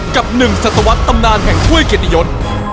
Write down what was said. กับหนึ่งศัตวรรษตำนานแห่งถ้วยเกียรติยศ